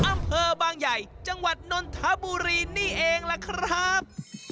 อำเภอบางใหญ่จังหวัดนนทบุรีนี่เองล่ะครับ